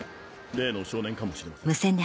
例の少年かもしれません。